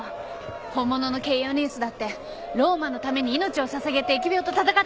本物のケイオニウスだってローマのために命を捧げて疫病と闘っているのよ